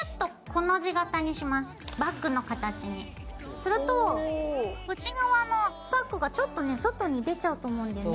すると内側のパックがちょっとね外に出ちゃうと思うんだよね。